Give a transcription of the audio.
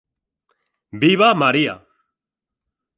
Viva María!